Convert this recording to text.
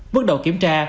bước đầu kiểm tra